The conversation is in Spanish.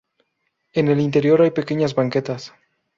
En el interior hay pequeñas banquetas.